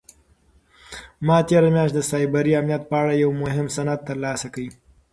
ما تېره میاشت د سایبري امنیت په اړه یو مهم سند ترلاسه کړ.